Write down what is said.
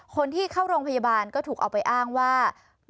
คนที่เข้าโรงพยาบาลก็ถูกเอาไปอ้างว่า